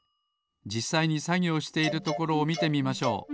じっさいにさぎょうしているところをみてみましょう。